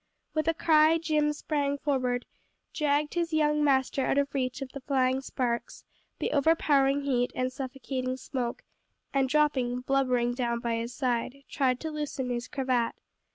With a cry Jim sprang forward, dragged his young master out of reach of the flying sparks, the overpowering heat, and suffocating smoke, and dropping, blubbering, down by his side, tried to loosen his cravat.